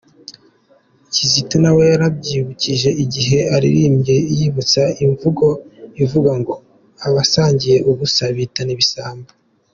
Kizito nawe yarabyibukije igihe aririmbye yibutsa imvugo ivuga ngo : «Abasangiye ubusa bitana ibisambo ».